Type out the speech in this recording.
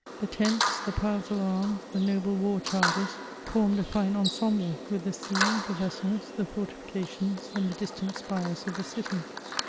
The tents, the piles of arms, the noble war chargers, formed a fine ensemble with the sea, the vessels, the fortifications, and the distant spires of the city.